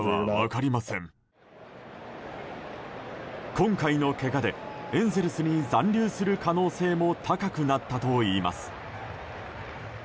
今回のけがでエンゼルスに残留する可能性も高くなったといいます。